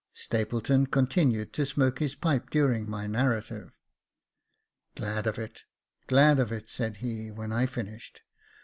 Stapleton continued to smoke his pipe during my narrative. " Glad of it, glad of it," said he, when I finished.